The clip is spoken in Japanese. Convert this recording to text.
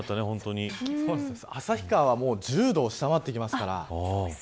旭川は１０度を下回ってきますから。